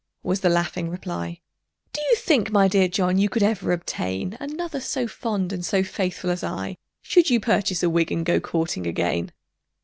was the laughing reply; "Do you think, my dear John, you could ever obtain Another so fond and so faithful as I, Should you purchase a wig, and go courting again?"